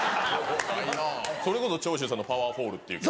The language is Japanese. それこそ長州さんの『パワーホール』っていう曲が。